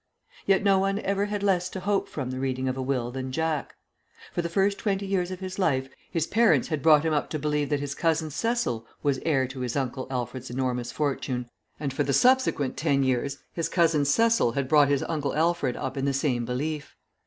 Yet no one ever had less to hope from the reading of a will than Jack. For the first twenty years of his life his parents had brought him up to believe that his cousin Cecil was heir to his Uncle Alfred's enormous fortune, and for the subsequent ten years his cousin Cecil had brought his Uncle Alfred up in the same belief.